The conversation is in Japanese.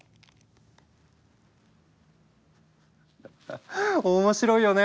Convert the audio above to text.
ハッハ面白いよね。